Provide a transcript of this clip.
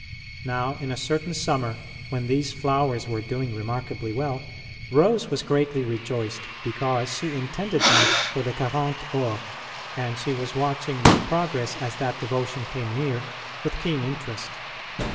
Now, in a certain summer when these flowers were doing remarkably well, Rose was greatly rejoiced, because she intended them for the Quarant Ore, and she was watching their progress as that devotion came near with keen interest.